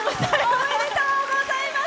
おめでとうございます。